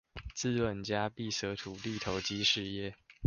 資本家必捨土地投機事業